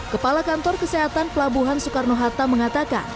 kepala kantor kesehatan pelabuhan soekarno hatta mengatakan